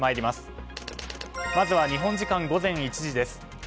まずは日本時間午前１時です。